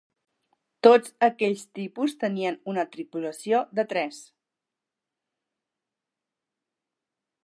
Tots aquells tipus tenien una tripulació de tres.